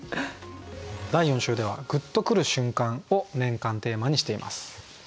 第４週では「グッとくる瞬間」を年間テーマにしています。